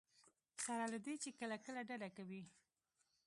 سره له دې چې کله کله ډډه کوي.